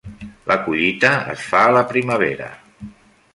La collita es fa a la primavera.